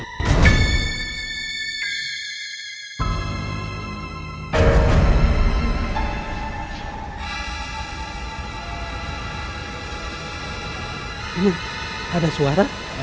emang ada suara